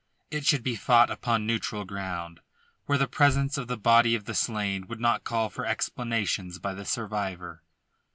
It should be fought upon neutral ground, where the presence of the body of the slain would not call for explanations by the survivor.